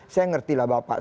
saya ngertilah bapak